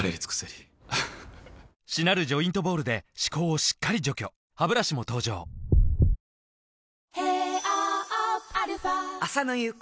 りしなるジョイントボールで歯垢をしっかり除去ハブラシも登場上海